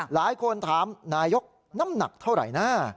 หลายคนถามนายกน้ำหนักเท่าไหร่นะ